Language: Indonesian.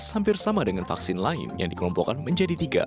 hampir sama dengan vaksin lain yang dikelompokkan menjadi tiga